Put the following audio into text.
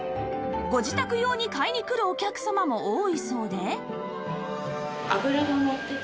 ご自宅用に買いに来るお客様も多いそうで